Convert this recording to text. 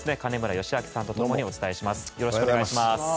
よろしくお願いします。